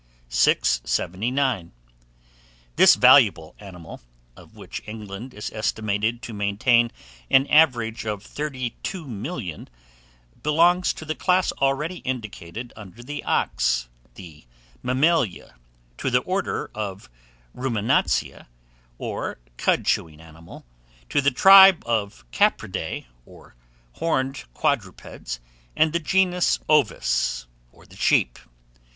679. THIS VALUABLE ANIMAL, of which England is estimated to maintain an average stock of 32,000,000, belongs to the class already indicated under the ox, the Mammalia; to the order of Rumenantia, or cud chewing animal; to the tribe of Capridae, or horned quadrupeds; and the genus Ovis, or the "sheep."